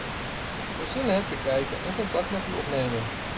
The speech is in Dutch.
We zullen het bekijken en contact met u opnemen.